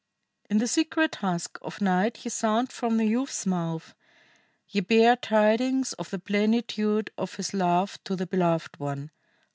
"In the secret husk of night ye sound from the youth's mouth; ye bear tidings of the plenitude of his love to the beloved one.